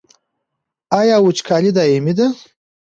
آیا وچکالي دایمي ده؟